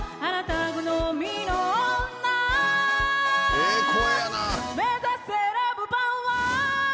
ええ声やな。